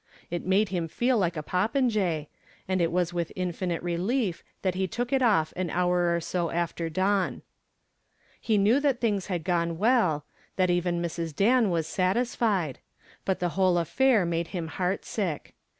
It made him feel like a popinjay, and it was with infinite relief that he took it off an hour or so after dawn. He knew that things had gone well, that even Mrs. Dan was satisfied; but the whole affair made him heartsick.